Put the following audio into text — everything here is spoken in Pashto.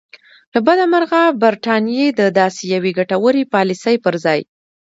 له بده مرغه برټانیې د داسې یوې ګټورې پالیسۍ پر ځای.